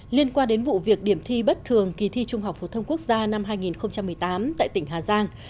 liên quan đến vụ việc điểm thi bất thường kỳ thi trung học phổ thông quốc gia năm hai nghìn một mươi tám tại tỉnh hà giang